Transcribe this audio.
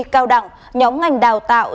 cao đẳng nhóm ngành đào tạo